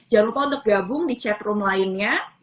jangan lupa untuk gabung di chat room lainnya